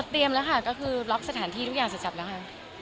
เตรียมแล้วค่ะก็คือล็อกสถานที่ทุกอย่างซัดจับค่ะ